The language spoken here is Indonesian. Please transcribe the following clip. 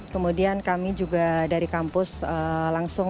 kemudian kami juga dari kampus langsung